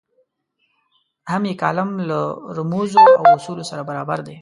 هم یې کالم له رموزو او اصولو سره برابر دی.